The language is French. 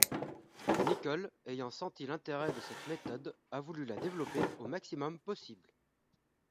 Nicole ayant senti l'intérêt de cette méthode a voulu la développer au maximum possible.